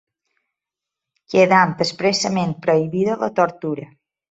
Quedant expressament prohibida la tortura.